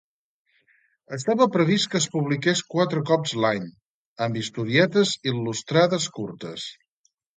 Estava previst que es publiqués quatre cops l'any, amb historietes il·lustrades curtes.